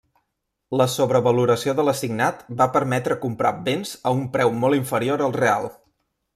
La sobrevaloració de l'assignat va permetre comprar béns a un preu molt inferior al real.